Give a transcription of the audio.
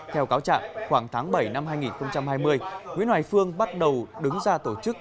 theo cáo trạng khoảng tháng bảy năm hai nghìn hai mươi nguyễn hoài phương bắt đầu đứng ra tổ chức